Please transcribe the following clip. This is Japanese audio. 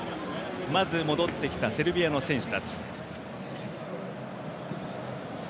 まず、戻ってきたセルビアの選手たち。